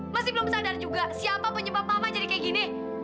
masih belum sadar juga siapa penyebab mama jadi kayak gini